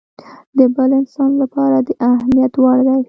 د بل انسان لپاره د اهميت وړ دی.